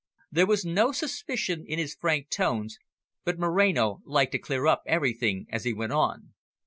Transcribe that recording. There was no suspicion in his frank tones, but Moreno liked to clear up everything as he went on.